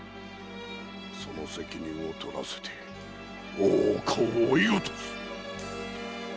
その責任を取らせて大岡を追い落とすっ！